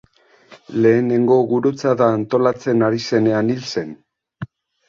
Lehenengo Gurutzada antolatzen ari zenean hil zen.